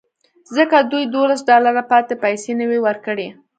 ځکه دوی دولس ډالره پاتې پیسې نه وې ورکړې